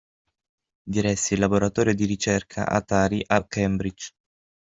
Diresse il laboratorio di ricerca Atari a Cambridge.